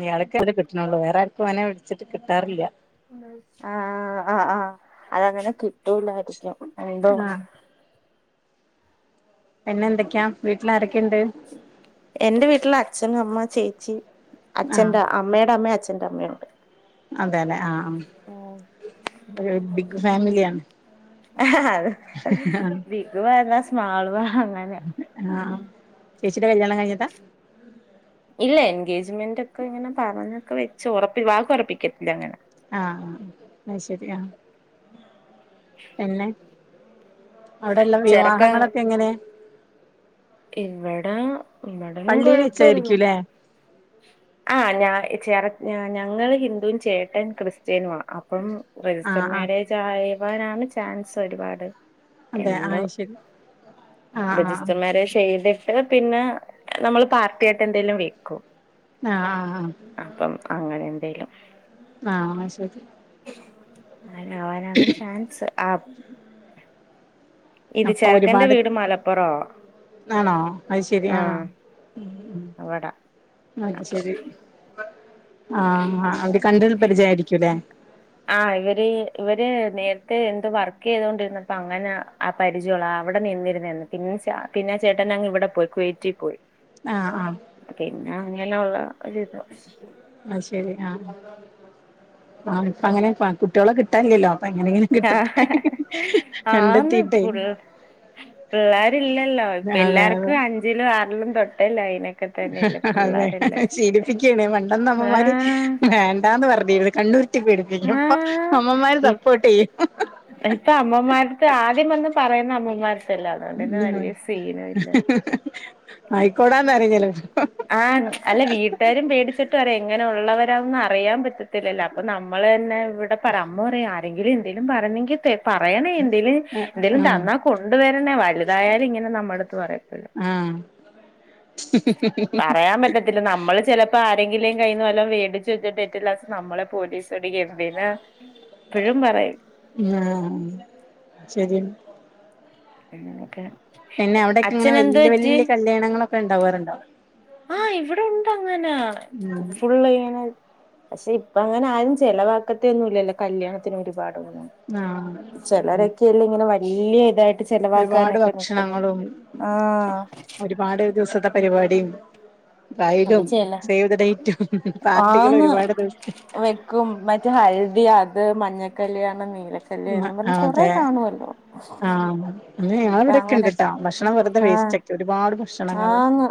ഇയാൾക്കെന്നെ കിട്ടണള്ളൂ വേറെ ആർക്കും അങ്ങനെ വിളിച്ചിട്ട് കിട്ടാറില്ല ആഹ് ആഹ് ആഹ് അതങ്ങനെ കിട്ടൂലായിരിക്കും എന്തോ പിന്നെ എന്തൊക്കെയാ വീട്ടിൽ ആരൊക്കെയുണ്ട് എന്റെ വീട്ടില് അച്ഛനും അമ്മ ചേച്ചി അച്ഛന്റെ അമ്മയുടെ അമ്മ അച്ഛന്റെ അമ്മയും അതെ ലെ ആഹ് ആഹ് ഒരു ബിഗ് ഫാമിലിയാണ് അത്‌ ബിഗ് ആണ് സ്‌മോളു ആ അങ്ങനെയ ആഹ് ആഹ് ചേച്ചിടെ കല്യാണം കഴിഞ്ഞതാ ഇല്ല എൻഗേജ്മെന്റ് ഒക്കെ ഇങ്ങനെ പറഞ്ഞൊക്കെ വെച്ച് ഉറപ്പി വാക്ക് ഉറപ്പിക്കത്തില്ലെ അങ്ങനെ ആഹ് ആഹ് ആഹ് അയ് ശരി ആഹ് പിന്നെ അവിടെള്ള ചെറുക്കൻ വിവാഹങ്ങളൊക്കെ എങ്ങനെ ഇവിടെ ഇവിടൊന്നും പള്ളിയിൽ കൊഴപ്പല്ല വെച്ചായിരിക്കൂല്ലേ ആഹ് ഞാ ചെർ ഞങ്ങള് ഹിന്ദുവും ചേട്ടൻ ക്രിസ്ത്യനുമാ അപ്പം ആ രജിസ്റ്റർ ആ മാരേജ് ആയവാനാണ് ചാൻസ് ഒരുപാട് അതെ ആ എന്തോ ശരി ആ ആ രജിസ്റ്റർമാരെജ് ചെയ്ത് ട്ട് പിന്നെ നമ്മള് പാർട്ടിയായിട്ട് എന്തെലും വെക്കും ആഹ് ആഹ് ആഹ് അപ്പം അങ്ങനെ എന്തേലും ആഹ് അയ് ശെരി അങ്ങനാവാനാണ് ചാൻസ് ആപ് അപ്പൊ ചെറുക്കന്റെ ഒരുപാട് വീട് മലപ്പുറോ ആണോ അയ്ശരി ആഹ് ഉം അവടാ ഉം അത് അപ്പൊ ശരി ആഹ് അവര് കണ്ട്ള്ള പരിചയായിരിക്കൂല്ലേ ആഹ് ഇവര് ഇവര് നേരത്തെ എന്ത് വർക്ക് ചെയ്തോണ്ടിരുന്നപ്പ അങ്ങനെ പരിചയുള്ള അവിടെ നിന്നിരുന്നന്ന് പിന്നെ ച പിന്നെ ചേട്ടൻ ഞങ്ങ ഇവിടെ പോയി കുവൈറ്റി പോയി ആഹ് ആഹ് പിന്ന അങ്ങനെയുള്ള ഒരിത് അയ്ശരി ആഹ് ആഹ് ഇപ്പ അങ്ങനെ കുട്ടികളെ കിട്ടാനില്ലല്ലോ അപ്പ എങ്ങനെങ്കിലും ആഹ് കിട്ടട്ടെ ആന്ന് കണ്ടെത്തീട്ടെ പുൾ പിള്ളേരില്ലല്ലോ പിള്ളാർക്ക് അതെ അതെ എല്ലാർക്കും അഞ്ചിലും ആറിലും തൊട്ടെ ലൈൻ അതെ ചിരിപ്പിക്കാണ് പണ്ടൊന്നും അമ്മമാര് ആഹ് വേ ണ്ടാന്ന് പറഞ്ഞിരുന്നു കണ്ണുരുട്ടി പേടിപ്പിക്കും പ്പൊ അമ്മമാര് സപ്പോർട്ട് ചെയ്യും. ഇപ്പ അമ്മമാരട്ത്ത് ആദ്യം വന്ന് പറയുന്ന അമ്മമാരട്തല്ലേ അതുകൊണ്ട് തന്നെ വല്യ ചെയ്യും സീനും ഇല്ല. ആയിക്കോടാന്നാ പറയല് ആഹ് അല്ല വീ ട്ടുകാരും പേടിച്ചിട്ട് പറയും എങ്ങനെ ഉള്ളവരാന്ന് അറിയാൻ പറ്റത്തില്ലല്ലോ അപ്പൊ നമ്മൾ തന്നെ ഇവിടെ പറ അമ്മ പറയാ ആരെങ്കിലും എന്തേലും പറഞ്ഞെങ്കി ത്തെ പറയണേ എന്തേലും ആഹ് എന്തേലും തന്നാ കൊണ്ട് വരണേ വലുതായാലും ഇങ്ങനെ നമ്മുടെ അടുത്ത് പറയത്തില്ല. മ്ഹ് മ്ഹ് മ്ഹ് പറയാൻ പറ്റ ത്തില്ല. പിന്നെ നമ്മള് ചെലപ്പോ ആരെങ്കിലും കയ്യിന്ന് വല്ലോം വേടിച്ചു വച്ചിട്ട് ഏറ്റവും ലാസ്റ്റ് നമ്മളെ പോലീസ് പിടിക്കും എന്തിനാ എപ്പഴും പറയും ആഹ് ശരി എന്നാ ഓകെ പിന്നെ അവിടൊക്കെ എങ്ങനെ വല്ല്യ വല്ല്യ കല്യാണങ്ങളൊക്കെ ണ്ടാവാറുണ്ടോ? ആഹ് ഇവിടെ ഉണ്ട് അങ്ങനെ ഉം ഫുള്ള് ഇങ്ങനെ പക്ഷെ ഇപ്പ അങ്ങനെ ആരും ചെലവാക്കത്തൊന്നുല്ലല്ലോ കല്യാണത്തിന് ഒരുപാടൊന്നും ആഹ് ചിലരൊക്കെ ഇല്ലെ ഇങ്ങനെ വലിയ ഇതായി ട്ട് ഒരുപാട് ചെലവാക്കാനൊക്കെ നിക്കുന്നു ഭക്ഷണങ്ങളും ആഹ് [unintelligible] ദിവസത്തെ പരിപാടിം അത് ബ്രൈഡും ചെല സേവ് ദ ഡേറ്റും പാർട്ടികൾ ആന്ന് ഒരുപാട് ദിവസത്തെ വെക്കും മറ്റേ ഹൽദി അത് മഞ്ഞക്കല്യാണം നീല ക [unintelligible] അതെ ആഹ് ന്ന് ഞാൻ ഇപ്പ വ്ട അങ്ങനെ നിക്ക്ണ്ട്ട്ടോ ഭക്ഷണം വെറുതെ ആഹ് വേസ്റ്റ ഒരുപാട് ഭ ആന്ന്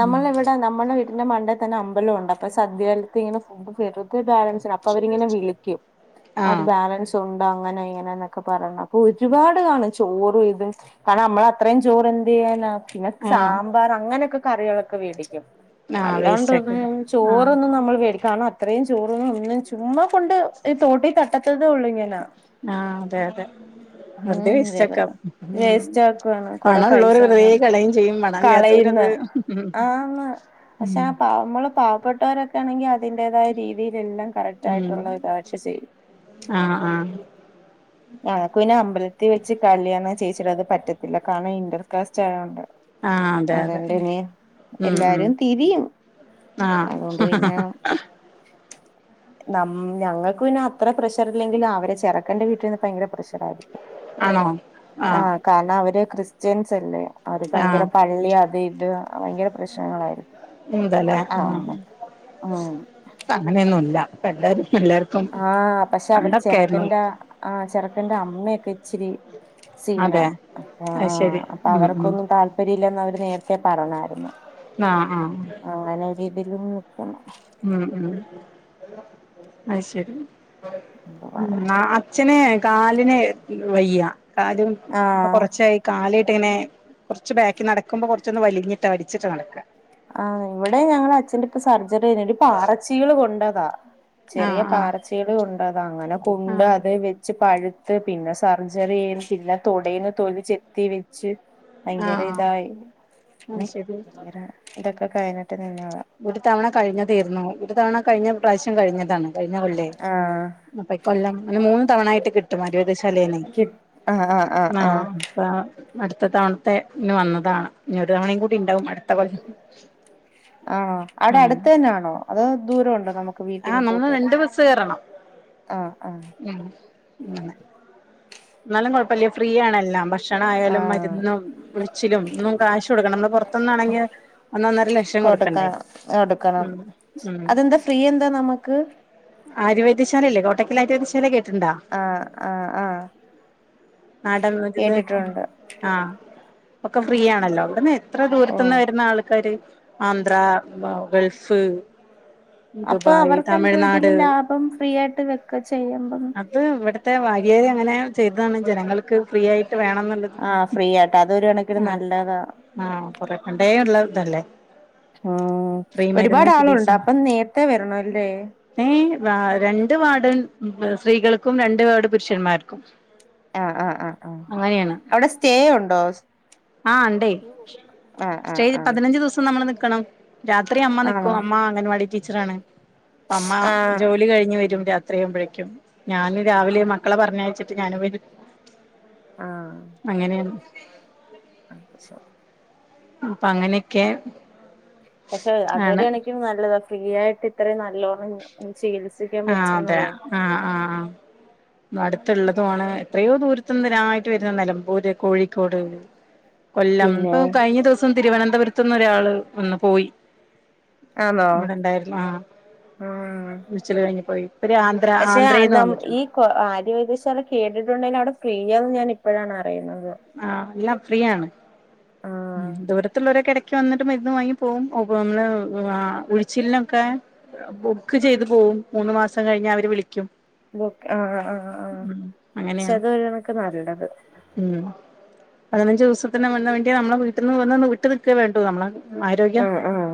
നമ്മളെ വെ ടെ നമ്മളെ വീട്ടിന്റെ മണ്ടേൽ തന്നെ അമ്പലം ഉണ്ട് അപ്പൊ സദ്യ കാലത്ത് ഇങ്ങനെ ഫുഡ് വെറുതെ ബാലൻസ് അപ്പൊ അവരിങ്ങനെ വിളിക്കും അത് ആഹ് ബാലൻസ് ഉണ്ട് അങ്ങനെ ഇങ്ങനെന്നൊക്കെ പറഞ്ഞ്. ഒരുപാട് കാണും ചോറും ഇതു കാരണം നമ്മള് അത്രേയും ചോറ് എന്ത് ചെയ്യാനാ പിന്നെ സാ ആഹ് [unintelligible] അങ്ങനൊക്കെ കറികളൊക്കെ വേടിക്കും ആഹ് വേസ്റ്റ് അല്ലാണ്ടൊന്ന് ആക്കും ആഹ് ചോറൊന്നും നമ്മൾ വേടിക്കാന് ഇത്രയും ചോറൊന്നും ഒന്നും ചുമ്മാ കൊണ്ട് ഈ തോട്ടി തട്ടത്തതേ ഉള്ളൂ ഞാൻ. ആഹ് അതെ അതെ വെർതെ ഉം വേസ്റ്റാക്ക വെറുതെ വേസ്റ്റ് ആക്കുവാണ് കൊറെ പൈസ പണള്ളോര് വെർതെ അങ്ങനെ കളയും ചെയ്യും പണം ഇല്ലാത്തോരത് കളയുന്ന് ആന്ന് പക്ഷെ ഉം ആ പാവ മ്മള് പാവപ്പെട്ടവരൊ ക്കെ ആണെങ്കിൽ അതിന്റേതായ രീതിൽ എല്ലാം ഉം കറക്റ്റായിട്ടുള്ള ഒരു [unintelligible] ചെയ്യും ആഹ് ആഹ് ആഹ് പിന്നെ അമ്പലത്തി വെച്ച് കല്യാണം ചേച്ചിടത് പറ്റത്തില്ല കാരണം ഇന്റർകാസ്റ്റ് ആയൊണ്ട്. ആഹ് അതെ അതെ അതോണ്ടെന്നി ഉം ഉം എല്ലാരും തിരിയും. ആഹ് അതുകൊണ്ട് പിന്നെ നം ഞങ്ങൾക്ക് പിന്നെ അത്ര പ്രഷർ ഇല്ലെങ്കിലും അവര് ചെറ്ക്കന്റെ വീട്ടിന്ന് ഭയങ്കര പ്രഷ ഷറായിരിക്കും ആണോ ആഹ് കാരണം അവര് ക്രിസ്ത്യൻസ് അല്ലേ അവര് ആഹ് ഭയങ്കര പള്ളി അത് ഇത് ഭയങ്കര പ്രശ്നങ്ങളായിരുന്നു എന്താല്ലേ ആഹ് ഉം ഇപ്പോ അങ്ങനൊന്നൂല്ല ഇപ്പോ എല്ലാരും എല്ലാര് ആഹ് പഷെ അവര് ചെറുക്കന്റെ ആഹ് ചെറുക്കന്റെ അമ്മയൊക്കെ ഇച്ചിരി അതെ സീനാണ് അത് ആഹ് ശരി അപ്പൊ ഉം ഉം അവർക്കൊന്നും താൽ ല്പര്യയില്ലാന്ന് അവര് നേരത്തെ പറഞ്ഞായിരുന്നു ആഹ് ആഹ് അങ്ങനെ ഒരിതിലും നിക്കണം ഉം ഉം അയ്ശെരി എന്ത് പറയാൻ ഇന്നാ അത് അച്ഛന് കാലിന് വയ്യാ കാലും ഇപ്പൊ ആഹ് കൊറച്ചായി കാലിട്ടിങ്ങനെ കൊറച്ച് ബാക്കി നടക്കുമ്പോ കൊറച്ചൊന്ന് വലിഞ്ഞിട്ടാ വലിച്ചിട്ടാ നടക്കാ ആഹ് ഇവിടേം ഞങ്ങളെ അച്ഛന്റെ ഇപ്പം സർജറി കഴിഞ്ഞു ഒരു പാറച്ചീള് കൊണ്ടതാ ചെറിയ ആഹ് ആഹ് പാറച്ചീള് കൊണ്ടതാ അങ്ങനെ കൊണ്ട് ആഹ് അ ത് വെച്ച് പഴുത്ത് പിന്നെ സർജറി ചെ പിന്നെ തൊടേന്ന് തൊലി ചെത്തി വെച്ച് ഭയങ്കര ആഹ് ഇതായി ആഹ് [unintelligible] ശരി ഭയങ്കര ഇതൊക്കെ കഴിഞ്ഞിട്ട് നിന്നെതാ ഒരു തവണ കഴിഞ്ഞതേര്ന്നു ഒരു തവണ കഴിഞ്ഞ പ്രാവശ്യം കഴിഞ്ഞതാണ് കഴിഞ്ഞ കൊല്ലേ ആഹ് അപ്പൊ ഈ കൊല്ലം അങ്ങനെ മൂന്ന് തവണ ആയിട്ട് കിട്ടും ആര്യവൈദ്യശാലേന്നെ ആഹ് അപ്പം അടുത്ത തവണത്തെ ഇന്ന് വന്നതാണ് ഇനി ഒരു തവണയും കൂടി ഇണ്ടാവും അടുത്ത കൊല്ലം ആഹ് അവിടെ ഉം അടുത്ത് തന്നാണോ അതോ ദൂരൊണ്ടോ നമുക്ക് വീട്ടിന്ന് ആഹ് പോയിട്ട് നമ്മള് വെരാൻ രണ്ട് ബസ്സ് കേറണം ആഹ്- ആഹ് ഉം അങ്ങനെ എന്നാലും കൊഴപ്പെല്ല്യാ ഫ്രീ ആണെല്ലാം ഭക്ഷണ ആയാലും ആഹ് മരുന്നും ഉഴിച്ചിലും ഒന്നും കാശ് കൊടുക്കണ്ട നമ്മള് പൊറത്ത്ന്നാണെങ്കെ ഒന്നൊന്നര ലക്ഷം കൊടുക്കണ്ടേ കൊടുക്കണം കൊടുക്കണം ഉം ഉം അതെന്താ ഫ്രീ എന്താ നമുക്ക് ആര്യവൈദ്യശാലല്ലേ കോട്ടക്കൽ ആര്യവൈദ്യശാല കേട്ടിട്ട്ണ്ടാ ആഹ് ആഹ് ആഹ് നാടൻ മരുന്ന് കേട്ടിട്ടുണ്ട് ആഹ് ഒക്കെ ഫ്രീ ആണല്ലോ എവിടുന്ന് എത്ര ദൂരത്ത്ന്ന് ഓഹ് വെരുന്ന് ആൾക്കാര് ആന്ധ്രാ ബ ഗൾഫ് അപ്പൊ ദുബായ് അവർക്ക് എന്താ തമിഴ്നാട് ഇതില് ലാഭം ഫ്രീ ആയിട്ട് വെക്ക ചെയ്യുമ്പം അത് ഇവിടുത്തെ വകയില് അങ്ങനെ ചെയ്തതാണ് ജനങ്ങൾക്ക് ഫ്രീ ആയിട്ട് വേണന്ന്ള്ള ആഹ് ഫ്രീ ആയിട്ട് അതൊരു കണക്കിന് നല്ലതാ ആഹ് കൊറെക്കണ്ടേ പണ്ടേ ഇള്ള ഇതല്ലേ ആഹ് ഫ്രീ ഒരുപാട് മരുന്ന് ചികിത്സ ആളൊണ്ട് അപ്പം നേരെത്തെ വെരണം അല്ലേ ഏഹ് വാ രണ്ട് വാർഡൺ സ്ത്രീകൾക്കും രണ്ട് വാർഡ് പുരുഷന്മാർക്കും ആഹ് ആഹ് ആഹ് ആഹ് അങ്ങനെയാണ് അവിടെ സ്റ്റേ ഒണ്ടോ? ആഹ് ഇണ്ടേ സ്റ്റേ ആഹ് ആഹ് പതിനഞ്ച് ദിവസം നമ്മള് നിക്കണം രാത്രി അമ്മ നിക്കും ആണോ അമ്മ അംഗൻവാടി ടീച്ചറാണ് അപ്പ അമ്മ ആഹ് ജോലി കഴിഞ്ഞ് വെരും രാത് ത്രിയാവുമ്പഴേക്കും ഞാന് രാവിലെ മക്കളെ പറഞ്ഞയച്ചിട്ട് ഞാനും വെരും ആഹ് അങ്ങനെയാണ് [unintelligible] അപ്പൊ അങ്ങനെയൊക്കെയാ പക്ഷെ അത് ഒരു കണക്കിന് നല്ലതാ ഫ്രീ ആയിട്ട് ഇത്രയും നല്ലോ ണം ചികിത്സിക്കാൻ ആഹ് പറ്റുന്നറിയാ ആഹ് ആഹ് അടുത്തുള്ളതുവാണ് എത്രയോ ദൂരത്ത്ന്ന് ഇതിനായിട്ട് വെരുന്ന് നിലമ്പൂര് കോഴിക്കോട് കൊല്ലം പിന്നെ ഇപ്പൊ കഴിഞ്ഞ ദിവസം തിരുവനന്തപുരത്തുന്ന് ഒരാള് ഒന്ന് പോയി ആണോ വടെണ്ടായിര്ന്നു. ആഹ് ഉം ഉഴിച്ച്ല് കഴിഞ്ഞ് പോയി ഇപ്പൊരാന്ധ്ര ആന്ധ്രേന്ന് വന്ന്ട്ട്ണ്ട്. ക്കൊ ആഹ് ആര്യവൈദ്യശാല കേട്ടിട്ടുണ്ടേലവടെ ഫ്രീയാന്ന് ഞാനിപ്പഴാണറിയണത്. ആഹ് എല്ലാം ഫ്രീയാണ്. ഉം ആഹ് ദൂരത്ത്ള്ളൊരൊക്കെ എടക്ക് വന്ന്ട്ട് മെര്ന്ന് വാങ്ങി പോവും. ഓ [unintelligible] നമ്മളെ ആഹ് ഉഴിച്ച്ൽനൊക്കെ ബുക്ക് ചെയ്ത് പോവും മൂന്ന് മാസം കഴിഞ്ഞാ അവര് വിളിക്കും. ബുക്ക് ആഹ് ആഹ് ആഹ് ഉം അങ്ങനെയാണ് ക്ഷത് [unintelligible] നമ്മക്ക് നല്ലത്. ഉം പതിനഞ്ച് ദിവസത്തിന് മെര്ന്ന് വേണ്ട്യേ അമ്മളെ വീട്ട്ന്ന് വന്ന് വ്ട്ട് നിക്കേ വേണ്ടൂ അമ്മള [unintelligible] ഉം ആരോഗ്യം ആഹ് ആഹ്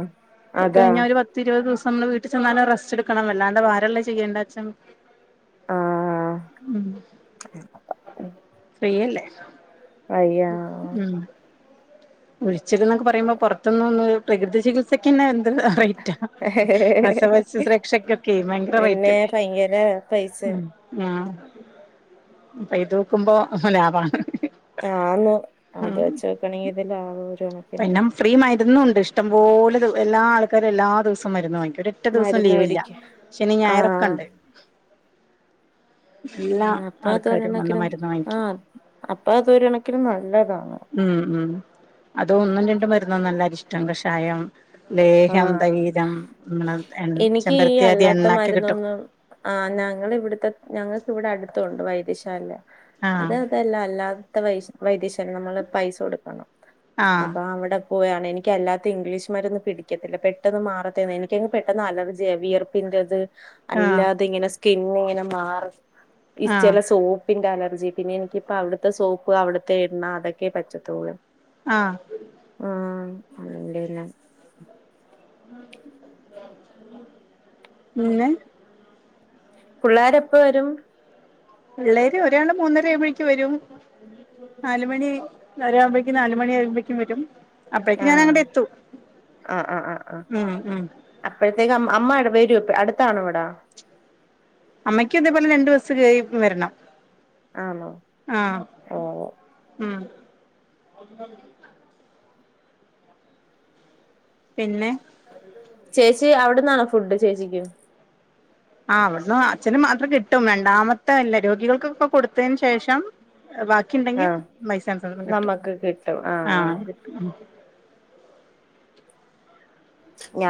അതാ കഴിഞ്ഞാ ഒരു പ ത്തിരുവത് ദിവസം അമ്മള് വീട്ടി ചെന്നാല് റെസ്റ്റ്ട്ക്കണം. വല്ലാണ്ട് ഭാരൊള്ളെ ചെയ്യേണ്ടച്ചാ മതി. ആഹ് ഉം ഫ്രീയല്ലേ. വയ്യാ ഉം ഉഴിച്ചിൽന്നൊക്കെ പറയുമ്പോ പൊറത്ത്ന്ന് വന്ന് പ്രകൃതി ചികിത്സക്കെന്നെ എന്ത് റെയ്റ്റാ. പ്രസവ ശുശ്രൂ രക്ഷക്കൊക്കെ ഭയങ്കര പിന്നെ റെയ്റ്റല്ലേ. ഭയങ്കര പൈസ ഉം ആഹ് അപ്പൊ ഇതോക്കുമ്പൊ ലാഭാണ്. ആന്ന് ആത് ഉം വെച്ച് നോക്കാണെങ്കി ഇത് ലാഭകരാണ്. പിന്നെ ഫ്രീ മര്ന്നുണ്ട് ഇഷ്ടം പോലെ ത് എല്ലാ ആൾക്കാരു എല്ലാ ദിവസം മര്ന്ന് വാങ്ങിക്കും. ഒരെ റ്റ ദിവസം മരുന്ന് ലീവില്ല മേടിക്കും ശനിം ആഹ് ഞായറൊക്കെണ്ട്. ഉം വന്ന് അപ്പാത്തൊരെണക്കിലും മരുന്ന് വാങ്ങിക്കും ആഹ് അപ്പാത്തൊരെകണക്കിലും നല്ലതാ. ഉം ഉം അത് ഒന്നും രണ്ടും മര്ന്നൊന്നല്ല അരിഷ്ടം, കഷായം ലേഹം, ആഹ് തൈലം അമ്മള് എൺ എനിക്ക് ഈ ചെമ്പരത്ത്യാദി അല്ലാത്ത എണ്ണക്കെ കിട്ടും. മരുന്നൊന്നും ആഹ് ഞങ്ങള് വ്ട്ത്തെ ഞങ്ങക്ക് വ്ടെ അട്ത്തൊണ്ട് വൈദ്യശാല. ആഹ് അതാര് തല്ല അല്ലാത്ത വൈശ് വൈദ്യശാല അമ്മള് പൈസൊട്ക്കണം ആഹ് അപ്പൊ അവടെ കോയാണെനിക്ക് അല്ലാത്ത ഇംഗ്ലീഷ് മര്ന്ന് പിടി ക്ക്യത്തില്ല പെട്ടെന്ന് മാറത്തൊ എനിക്കങ്ങ് പെട്ടെന്ന് അലർജിയ വിയർപ്പിൻ്റെത് ആഹ് അല്ലാതെ ങ്ങനെ സ് കിങ്ങ് ങ്ങനെ മാറും ഈ ആഹ് ചെലെ സോ പ്പിന്റെ അലർജി പിന്നെ എനിക്കിപ്പോ അവ്ട്ട്ത്തെ സോപ്പ് അവ്ട്ത്തെ എണ്ണ അതൊക്കെ പറ്റതൊള്ളു. ആഹ് ആഹ് [unintelligible] പിന്നെ പിള്ളാരെപ്പവരും പിള്ളേര് ഒരാള് മൂന്നരാവുമ്പഴേക്ക് വെരും. നാലുമണി ഒരാമ്പഴേക്കും നാലുമണ്യാവുമ്പഴ്ക്കും വെരും. അപ്പഴേക്ക് ആഹ് ഞാനങ്ങടെത്തു. ആഹ് ആഹ് ആഹ് ആഹ് ഉം ഉം അപ്പഴത്തേക്ക് അം അമ്മാടെ വെരു പ് അട്ത്താണ് വടാ അമ്മയ്ക്കി തേപോലെ രണ്ട് ബസ്സ് കേറി വരണം. ആന്നോ ആഹ് ഉം പിന്നെ ചേച്ചി അവ്ട്ന്നാണോ ഫുഡ് ചേച്ചിക്ക്‌? ആഹ് ഇവട്ന്ന് അച്ഛന് മാത്രം കിട്ടും. രണ്ടാമത്തെ അല്ല രോഗികൾക്ക് ക്ക് കൊട്ത്തെയ്ന് ശേഷം ബാക്കിണ്ടെങ്കി ആഹ് ബൈസ്റ്റാ [unintelligible] കിട്ടും. നമ്മക്ക് കിട്ടും ആഹ് ആ ആഹ് ഒര് ഉം.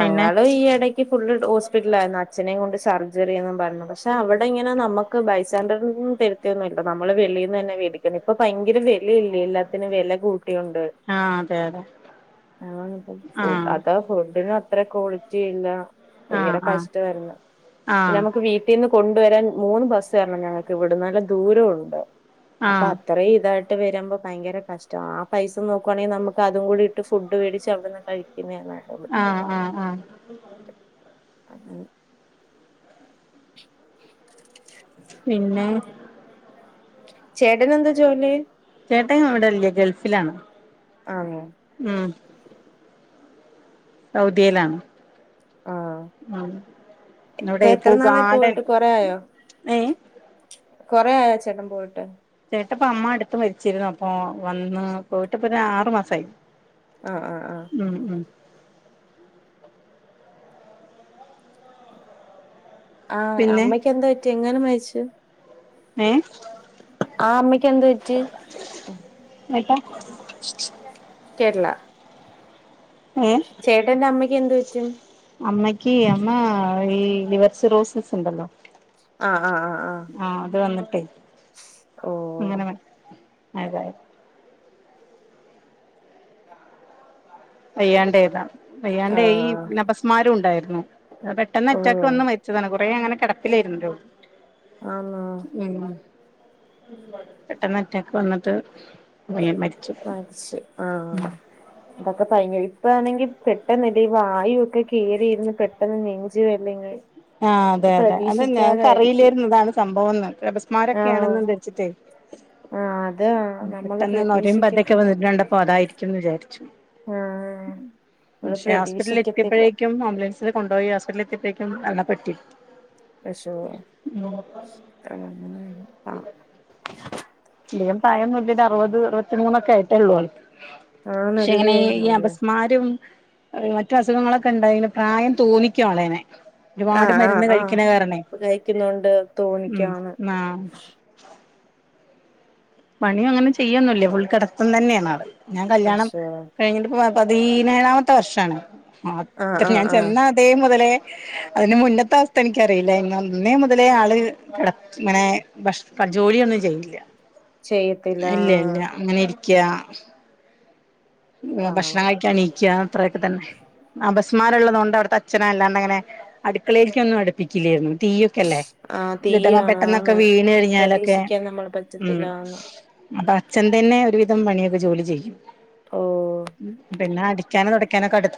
പിന്നെ ഈ എട ക്ക് ഫുള്ള് ഹോസ്പിറ്റലായിരുന്നു അച്ഛനേം കൊണ്ട് സർജറി എന്നും പറഞ്ഞ് പക്ഷെ അവടെ ഇങ്ങനെ നമക്ക് ബൈ സ്റ്റാൻ്റേ [unintelligible] തെ [unintelligible] നമ്മള് വെളിൽന്ന് തന്നെ വേടിക്കണം ഇപ്പൊ ഭയങ്കര വിലയില്ലേ എല്ലാത്തിനും വില കൂട്ടിയൊണ്ട് ആഹ് അതെ അതെ ആഹ് [unintelligible] ഫുഡിനും അത്ര ക്വാളിറ്റി ഇല്ല ആഹ് ഭയങ്കര ആഹ് കഷ്ടമായിരുന്നു പിന്ന ആഹ് നമുക്ക് വീ വീട്ടിന്ന് കൊണ്ടുവരാൻ മൂന്ന് ബസ്സ് കയറണം ഞങ്ങൾക്ക് ഇവിടെ നല്ല ദൂരമുണ്ട് അപ്പൊ ആഹ് ഇത്രയും ഇതായിട്ട് വരുമ്പോൾ ഭയങ്കര കഷ്ട ആ പൈസ നോക്കുവാണെങ്കിൽ നമുക്ക് അതും കൂടി ഇട്ട് ഫുഡ്ടിച്ച് അവിടുന്ന് കഴ പിന്നെയല്ല ആഹ് ആഹ് ആഹ് ഉം [inaudible] പിന്നെ ചേട്ടനാന്താ ജോലി ചേട്ടൻ ഇവിടെല്ല ഗൾഫിലാണ് ആന്നോ ഉം സൗദിയിലാണ് ആഹ് ഉം ഇവിടെ ഇപ്പൊ ഇപ്പോ എത്ര നാളായി ഗാർഡൻ പോയിട്ട് കൊറേ ആയോ ഏ കൊറെ ആയോ ചേട്ടൻ പോയിട്ട് ചേട്ടപ്പ അമ്മ അടുത്ത് മരിച്ചിരുന്നു അപ്പൊ വന്ന് പോയിട്ടപ്പ ആറു മാസയി ആഹ് ആഹ് ആഹ് ഉം ഉം ആഹ് പിന്നെ അമ്മയ്ക്ക് എന്താ പറ്റി എങ്ങനെ മരിച്ചു ഏഹ് ആ അമ്മയ്ക്ക് എന്ത്‌ പറ്റി ഏട്ടാ കേരള ഏഹ് ചേട്ടന്റമ്മക് എന്തു പറ്റി അമ്മയ്ക്കി അമ്മാ ഈയ് ലിവർ സിറോസിസ് ഒണ്ടല്ലോ ആഹ് ആഹ് ആഹ് ആഹ് ആഹ് അത് വന്നിട്ടെ ഓ അങ്ങനെ ആയതാ വയ്യാണ്ടേയ്താ വയ്യാണ്ടേയി ആഹ് പിന്നേ അബസ്മാരും ഉണ്ടായിരുന്നു പെട്ടെന്ന് ഓ അറ്റാക്ക് വന്ന് മരിച്ചെതാണ് കുറേ അങ്ങന കെടപ്പിലേരുന്നു രോ ആന്നോ മ്മ് പെട്ടെന്നറ്റാക്ക് വന്നട്ട് അങ്ങ് മരി അത് ശരി ആഹ് അതൊക്ക കഴിഞ്ഞ് പോയി ഇപ്പാന്നെങ്കി പെട്ടെന്നല്ലേ ഈ വായു ഒക്കെ കേറിയിരുന്ന് പെട്ടന്ന് നെഞ്ച് വെലങ്ങി ആഹ് അതെ അതെ അതന്നെ ഞങ്ങക്ക് അറിയില്ലേരുന്ന് ഇതാണ് സംഭവംന്ന് ആഹ് അഭസ്മാരൊക്കെയാണെന്ന് വെച്ചിട്ടേ ആഹ് അതാ നമ്മള് പെട്ടന്ന് നൊരേം പതെക്കെ പ്രതീക്ഷിക്കത്തി വന്നത് കണ്ടപ്പ അതായിരിക്കുംന്ന് വിചാരിച്ചു ആഹ് നമ്മള് പക്ഷേ പ്രതീക്ഷിക്കത്തില്ല ഹോസ്പിറ്റലിലെത്തിയപ്പെഴേക്കും ആംബുലൻസ് കൊണ്ടോയി ഹോസ്പിറ്റലെത്തിയപ്പെഴേക്കും മരണപ്പെട്ടി അശ്ശോ [unintelligible] ആഹ് പിന്നേ പ്രായം നോക്കിട്ട് അറുവത് അറുവത്തിമൂനൊക്കെ ആയിട്ടൊള്ളൂ ആൾക്ക് പക്ഷേ ഇങ്ങനെ ഈയ് ഈ അയ്യോ അപസ്മാരും മറ്റ് അസുഖങ്ങളൊക്ക ഒണ്ടായ്ന് പ്രായം തോന്നിക്കുവാളേനെ ഒരുപാട് ആഹ് ആഹ് മരുന്ന് ആഹ് കഴിക്കണ കാരണേ കഴിക്കുന്നോണ്ട് തോന്നിക്കാന്ന് മ്മ് ആഹ് പണിയങ്ങനെ ചെയ്യൊന്നുല്ല്യ ഫുൾ കെടത്തം തന്നെയാണാള് ഞാൻ കല്യാണം പശോ കഴിഞ്ഞ്ട്ട്പ്പ പ പതീനേഴാമത്തെ വർഷാണ് ആഹ് അത്തറീം ആഹ് ഞാൻ ആഹ് ചെന്ന അതേ മുതെലേ അതിന് മുന്നത്തെ അവസ്ഥ എനിക്കറിയില്ല എങ്ങനേന്ന് ഇന്നേ മുതലേ ആള് കെട ഇങ്ങനേ ഭഷ് കട് ജോലിയൊന്നും ചെയ്യൂല്ല്യ ചെയ്യത്തില്ല ഇല്ല്യ ഇല്ല്യ ഇങ്ങനെ ഇരിക്ക്യാ ന്നെ പാവം ഭക്ഷണം കഴിക്കാൻ ണീക്ക്യാ അത്രയൊക്ക തന്നെ അബസ്മാരം ഇള്ളതോണ്ട് അവിട്ത്തച്ഛന് വല്ലാണ്ട് അങ്ങനെ അടുക്കളേൽക്ക്യൊന്നും അട് പ്പിക്കില്ല്യാര്ന്നു തീയൊക്കെ അല്ലേ ആ ല് ഇതെങ്ങാ പെട്ടെന്നൊക്കെ തീയാണാന്ന് വീണ് കഴിഞ്ഞാലൊക്കെ പ്രതീക്ഷിക്കാൻ നമ്മൾ ഉം പറ്റത്തില്ലാന്ന് അപ്പ അച്ഛൻ തന്നെ ഒരുവിധം പണിയൊക്കെ ജോലി ചെയ്യും ഓഹ് ഉം പിന്നെ അടിക്ക്യാനും തൊടയ്ക്കാനൊക്കെ അട്ത്